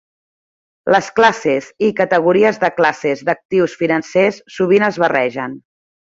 Les classes i categories de classes d'actius financers sovint es barregen.